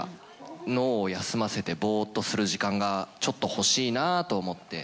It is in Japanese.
脳を休ませてぼーっとする時間がちょっと欲しいなぁと思って。